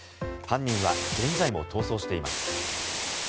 犯人は現在も逃走しています。